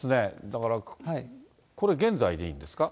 だからこれ現在でいいんですか。